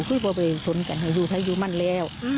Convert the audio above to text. เขาก็ไปสนกันให้อยู่ให้อยู่มันแล้ว